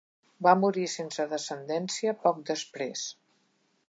Va morir sense descendència poc després.